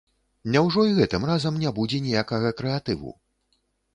Няўжо і гэтым разам не будзе ніякага крэатыву?